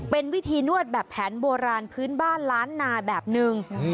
เป็นวิธีนวดแบบแผนโบราณพื้นบ้านล้านนาแบบนึง